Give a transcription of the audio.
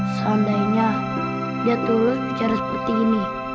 seandainya dia tulus bicara seperti ini